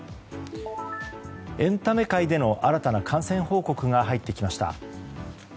エンタメ界での新たな感染報告が入ってきました。